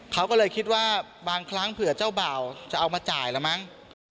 เขาก็เลยคิดว่าบางครั้งเผื่อเจ้าบ่าวจะเอามาจ่ายแล้วมั้ง